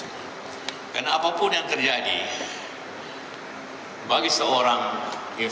mungkin hari ini bisa tanya